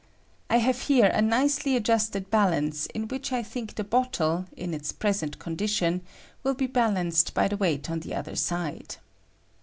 I hare here a nicely adjusted balance in which I think the bottle, in its pres ent condition, will be balanced by the weight on the other side.